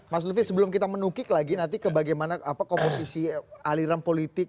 mas lufi sebelum kita menukik lagi nanti ke bagaimana komposisi aliran politik